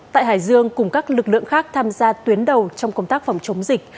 tại hải dương cùng các lực lượng khác tham gia tuyến đầu trong công tác phòng chống dịch